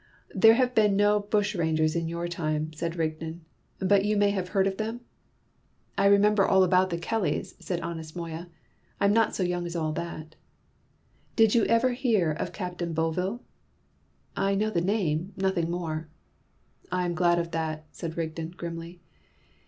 "There have been no bushrangers in your time," said Rigden; "but you may have heard of them?" "I remember all about the Kellys," said honest Moya. "I'm not so young as all that." "Did you ever hear of Captain Bovill?" "I know the name, nothing more." "I am glad of that," said Rigden, grimly.